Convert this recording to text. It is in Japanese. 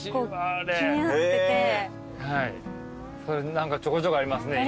何かちょこちょこありますね今。